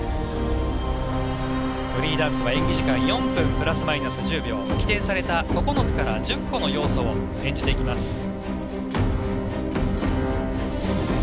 フリーダンスは演技時間４分プラスマイナス１０秒規定された９つから１０個の要素を演じていきます。